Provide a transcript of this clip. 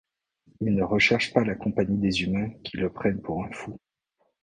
Il ne recherche pas la compagnie des humains qui le prennent pour un fou.